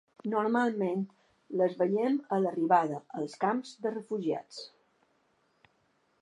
Normalment, les veiem en l’arribada, als camps de refugiats.